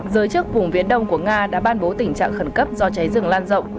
giới chức vùng viễn đông của nga đã ban bố tình trạng khẩn cấp do cháy rừng lan rộng